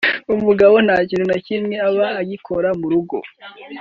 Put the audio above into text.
umugabo nta kintu na kimwe aba agikora mu rugo